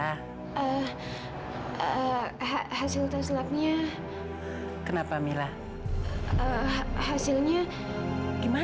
hasil tes labnya kenapa mila hasilnya gimana